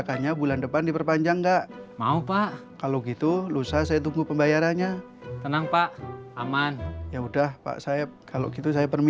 kamu sendiri ya nante